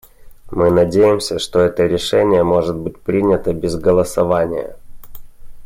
Мы надеемся, что это решение может быть принято без голосования.